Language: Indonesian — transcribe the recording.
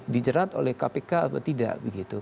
dijerat oleh kpk atau tidak begitu